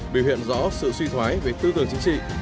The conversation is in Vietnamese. biểu hiện rõ sự suy thoái về tư tưởng chính trị